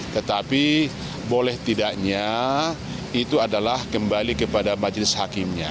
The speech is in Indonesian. tetapi boleh tidaknya itu adalah kembali kepada majelis hakimnya